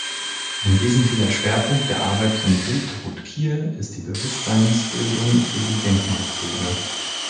Ein wesentlicher Schwerpunkt der Arbeit von Hiltrud Kier ist die Bewusstseinsbildung für die Denkmalpflege.